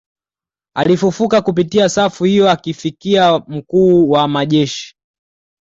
Alifufuka kupitia safu hiyo akifikia mkuu wa majeshi